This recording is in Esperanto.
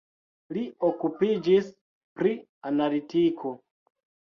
Li okupiĝis pri analitiko.